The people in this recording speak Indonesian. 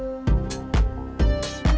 jalan atau pake motor